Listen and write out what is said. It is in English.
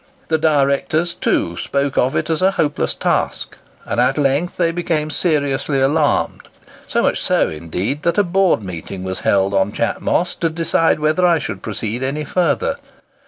The directors, too, spoke of it as a hopeless task: and at length they became seriously alarmed, so much so, indeed, that a board meeting was held on Chat Moss to decide whether I should proceed any further.